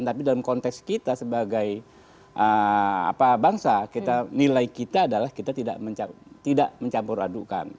tapi dalam konteks kita sebagai bangsa nilai kita adalah kita tidak mencampur adukan